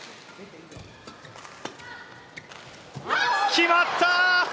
決まった！